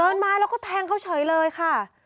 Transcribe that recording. มาแล้วก็แทงเขาเฉยเลยค่ะ